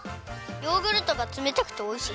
ヨーグルトがつめたくておいしい。